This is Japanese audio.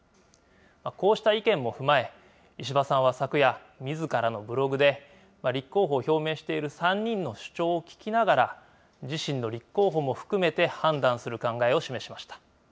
こうした意見も踏まえ、石破さんは昨夜、みずからのブログで、立候補を表明している３人の主張を聞きながら、自身の立候補も含めて判断する考えを示しました。